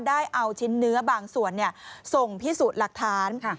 ได้เอาชิ้นเนื้อบางส่วนส่งพิสูจน์หลักฐาน